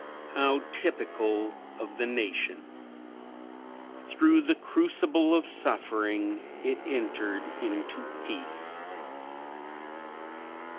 How typical of the nation! Through the crucible of suffering it entered into peace."